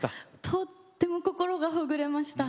とっても心がほぐれました。